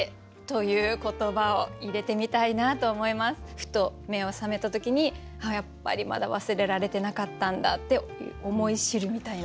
ふと目を覚めた時に「やっぱりまだ忘れられてなかったんだ」って思い知るみたいな。